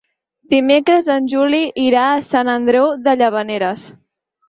Dimecres en Juli irà a Sant Andreu de Llavaneres.